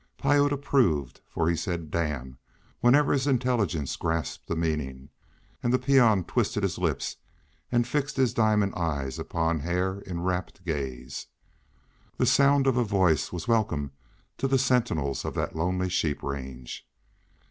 Piute approved, for he said "damn" whenever his intelligence grasped a meaning, and the peon twisted his lips and fixed his diamond eyes upon Hare in rapt gaze. The sound of a voice was welcome to the sentinels of that lonely sheep range.